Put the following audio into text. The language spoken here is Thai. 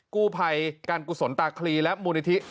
กู้ภัยการกุศลตาคลีและมูลนิธิ